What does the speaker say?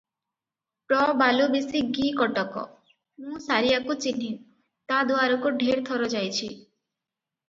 ପ୍ର ବାଲୁବିଶି ଗି କଟକ - ମୁଁ ସାରିଆକୁ ଚିହ୍ନେ, ତା ଦୁଆରକୁ ଢେର ଥର ଯାଇଛି ।